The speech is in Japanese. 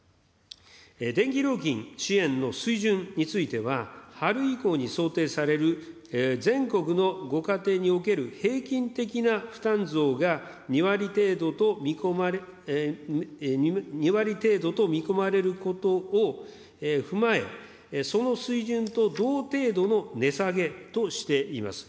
電気料金支援の水準については、春以降に想定される全国のご家庭における平均的な負担増が２割程度と見込まれることを踏まえ、その水準と同程度の値下げとしています。